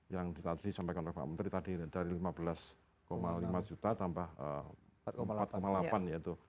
yang ditandai sampaikan oleh pak menteri tadi dari rp lima belas lima juta tambah rp empat delapan juta